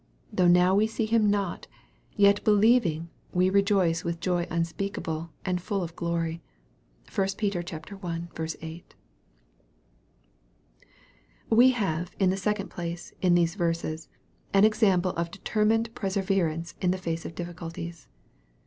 " Though now we see Him not, yet believing we rejoice with joy unspeakable, and full of glory." (1 Peter i. 8.) We have, in the second place, in these verses, an ea> ample of determined perseverance in the face of difficulties.